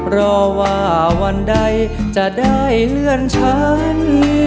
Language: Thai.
รอว่าวันใดจะได้เลื่อนชั้น